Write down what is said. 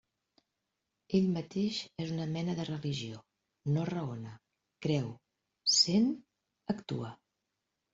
Ell mateix és una mena de religió; no raona, creu, sent, actua.